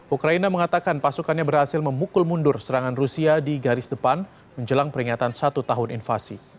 ukraina mengatakan pasukannya berhasil memukul mundur serangan rusia di garis depan menjelang peringatan satu tahun invasi